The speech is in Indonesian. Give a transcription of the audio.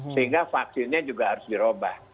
sehingga vaksinnya juga harus dirobah